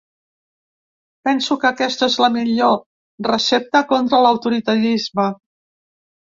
Penso que aquesta és la millor recepta contra l’autoritarisme.